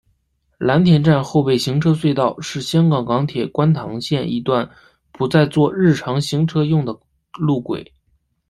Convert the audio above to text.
蓝田站后备行车隧道是香港港铁观塘线一段不再作日常行车用的路轨。